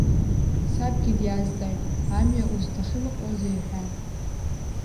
Сабгьы диазҵааит амҩа узлахымҟьозеи ҳәа.